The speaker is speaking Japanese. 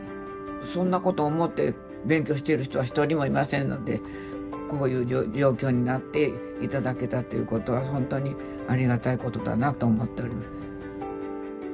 そんなこと思って勉強してる人は一人もいませんのでこういう状況になって頂けたっていうことは本当にありがたいことだなと思っております。